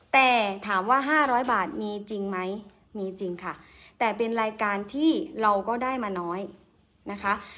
แต่ถามว่า๕๐๐บาทมีจริงไหมมีจริงค่ะแต่เป็นรายการที่เราก็ได้มาน้อยนะคะ